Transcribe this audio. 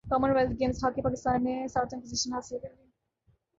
common wealth games hockey Pakistan نے ساتویں position حاصل کر لی